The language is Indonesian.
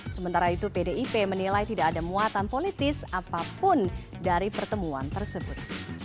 sementara itu pdip menilai tidak ada muatan politis apapun dari pertemuan tersebut